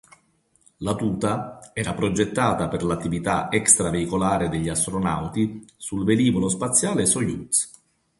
La tuta era progettata per l'attività extraveicolare degli astronauti sul velivolo spaziale Sojuz.